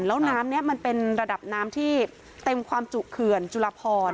แล้วน้ำนี้มันเป็นระดับน้ำที่เต็มความจุเขื่อนจุลพร